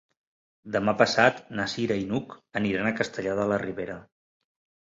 Demà passat na Cira i n'Hug aniran a Castellar de la Ribera.